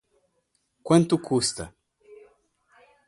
Quanto custa?